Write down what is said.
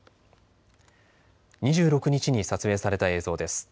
２６日に撮影された映像です。